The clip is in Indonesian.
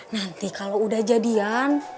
nanti kalau udah jadian